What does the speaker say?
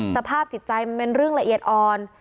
สภาพจิตใจมันเป็นเรื่องละเอียดอ่อน